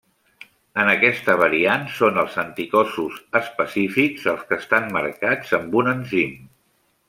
En aquesta variant són els anticossos específics els que estan marcats amb un enzim.